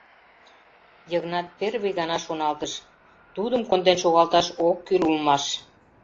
Йыгнат первый гана шоналтыш: «Тудым конден шогалташ ок кӱл улмаш.